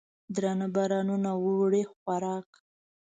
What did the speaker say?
درانه بارونه وړي خوراک